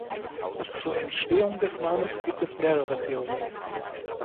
Zur Entstehung des Namens gibt es mehrere Theorien.